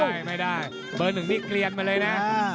ไม่ได้เบอร์หนึ่งนี่เกลียนมาเลยนะ